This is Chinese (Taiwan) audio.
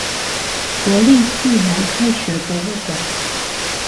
國立自然科學博物館